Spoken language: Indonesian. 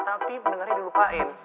tapi pendengarnya dilupain